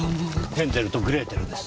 『ヘンゼルとグレーテル』です。